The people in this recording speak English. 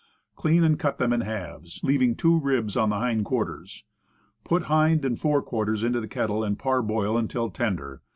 Clean and cut them in halves, leaving two ribs on the hind quarters. Put hind and fore quarters into the kettle, and parboil until tender.